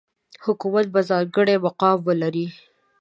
حکومت به ځانګړی مقام ولري.